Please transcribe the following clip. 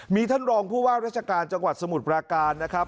มีท่านรองผู้ว่าราชการจังหวัดสมุทรปราการนะครับ